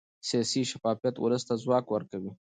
سیاسي شفافیت ولس ته ځواک ورکوي